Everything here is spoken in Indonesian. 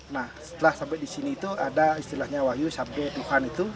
nah setelah sampai di sini itu ada istilahnya wahyu sabde tuhan itu